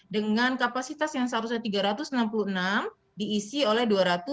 dengan kapasitas yang seharusnya tiga ratus enam puluh enam diisi oleh dua ribu tiga ratus dua puluh lima